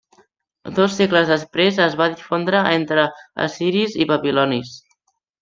Dos segles després es va difondre entre assiris i babilonis.